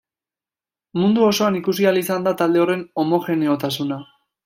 Mundu osoan ikusi ahal izan da talde horren homogeneotasuna.